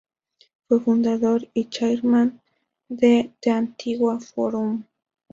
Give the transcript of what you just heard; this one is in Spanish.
Fue fundador y Chairman de The Antigua Forum.